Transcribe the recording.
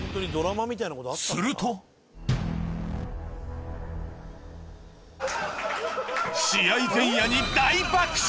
すると試合前夜に大爆笑